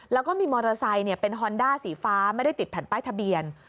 แล้วก็มีมอเตอร์ไซค์เป็นฮอนด้าสีฟ้าไม่ได้ติดแผ่นป้ายทะเบียน